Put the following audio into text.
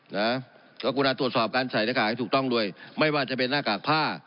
นะกรุณาตรวจสอบการใส่หน้ากากให้ถูกต้องด้วยไม่ว่าจะเป็นหน้ากากผ้า